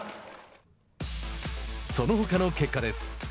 そのほかの結果です。